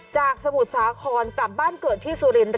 จากสมุดสาขอนกลับบ้านเกิดที่สุรินทร์